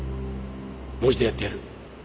もう一度やってやる。